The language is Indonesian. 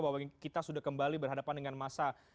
bahwa kita sudah kembali berhadapan dengan masa